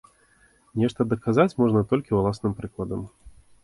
Нешта даказаць можна толькі ўласным прыкладам.